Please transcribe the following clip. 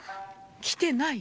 来てない。